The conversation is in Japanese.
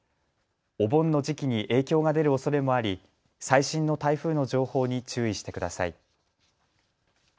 お盆の時期に影響が出るおそれもあり、最新の台風の情報に注意してください。